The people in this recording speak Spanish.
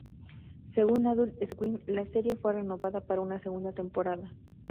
Según Adult Swim, la serie fue renovada para una segunda temporada.